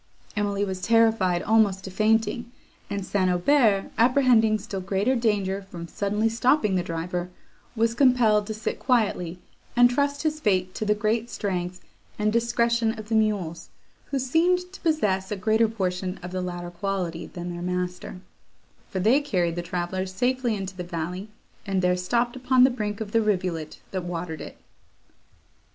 Emily was terrified almost to fainting; and St. Aubert, apprehending still greater danger from suddenly stopping the driver, was compelled to sit quietly, and trust his fate to the strength and discretion of the mules, who seemed to possess a greater portion of the latter quality than their master; for they carried the travellers safely into the valley, and there stopped upon the brink of the rivulet that watered it.